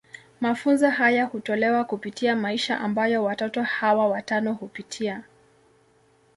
Mafunzo haya hutolewa kupitia maisha ambayo watoto hawa watano hupitia.